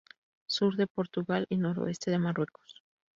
Sur de Portugal y noroeste de Marruecos.